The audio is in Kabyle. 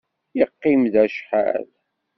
Yeqqim da acḥal.